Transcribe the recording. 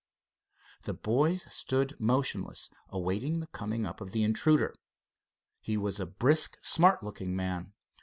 The boys stood motionless, awaiting the coming up of the intruder. He was a brisk, smart looking man.